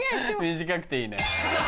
短くていいね。